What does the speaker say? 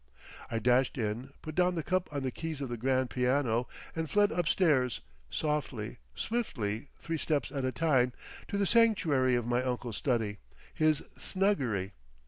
I dashed in, put down the cup on the keys of the grand piano and fled upstairs, softly, swiftly, three steps at a time, to the sanctuary of my uncle's study, his snuggery.